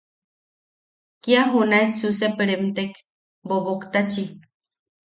Kia junaetsu sep remtek Boboktachi.